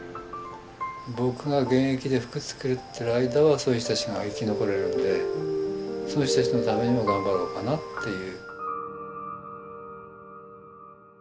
僕が現役で服作ってる間はそういう人たちが生き残れるのでそういう人たちのためにも頑張ろうかなっていう。